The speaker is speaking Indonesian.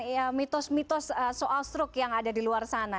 ini saya mau mengatakan mitos mitos soal struk yang ada di luar sana